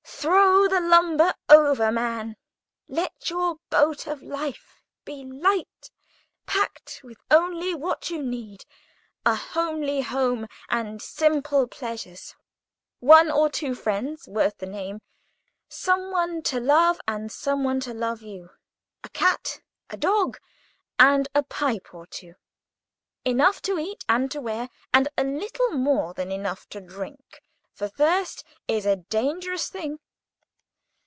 Throw the lumber over, man! Let your boat of life be light, packed with only what you need—a homely home and simple pleasures, one or two friends, worth the name, someone to love and someone to love you, a cat, a dog, and a pipe or two, enough to eat and enough to wear, and a little more than enough to drink; for thirst is a dangerous thing.